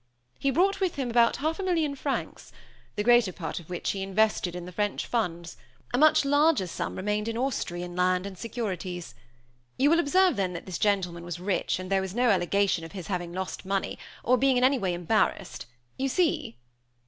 He brought with him about half a million of francs, the greater part of which he invested in the French funds; a much larger sum remained in Austrian land and securities. You will observe then that this gentleman was rich, and there was no allegation of his having lost money, or being in any way embarrassed. You see?"